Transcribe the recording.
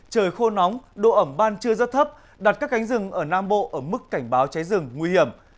trời khô nóng độ ẩm ban trưa rất thấp đặt các cánh rừng ở nam bộ ở mức cảnh báo cháy rừng nguy hiểm